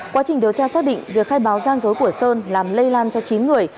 quá trình điều tra xác định việc khai báo gian dối của sơn làm lây lan cho chín người